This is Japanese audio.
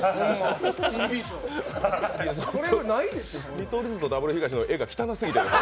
見取り図とダブルヒガシの画が汚すぎて。